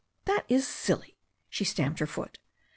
"That is silly !" She stamped her foot.